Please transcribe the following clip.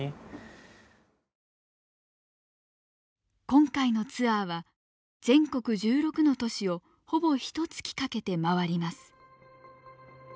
今回のツアーは全国１６の都市をほぼひと月かけて回ります。